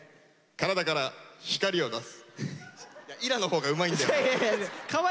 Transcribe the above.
体から光を出す。